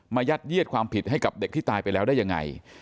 ยัดเยียดความผิดให้กับเด็กที่ตายไปแล้วได้ยังไง